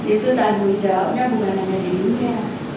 itu tanggung jawabnya bukan hanya dirinya